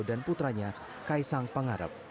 dan putranya kaisa pangarap